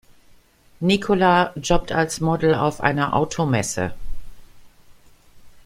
Nicola jobbt als Model auf einer Automesse.